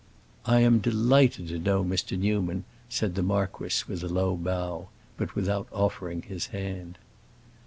"I am delighted to know Mr. Newman," said the marquis with a low bow, but without offering his hand.